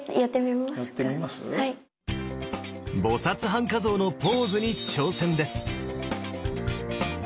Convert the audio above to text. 菩半跏像のポーズに挑戦です！